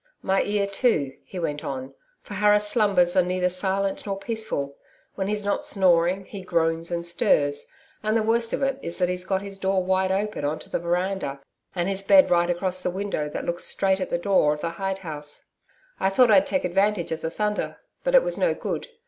'My ear, too,' he went on, 'for Harris' slumbers are neither silent nor peaceful. When he's not snoring, he groans and stirs, and the worst of it is that he's got his door wide open on to the veranda and his bed right across the window that looks straight at the door of the hide house. I thought I'd take advantage of the thunder, but it was no good.